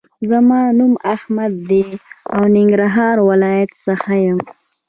زما نوم احمد دې او ننګرهار ولایت څخه یم